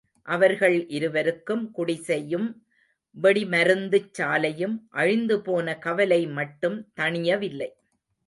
அவர்கள் இருவருக்கும் குடிசையும் வெடிமருந்துச் சாலையும் அழிந்துபோன கவலை மட்டும் தணியவில்லை.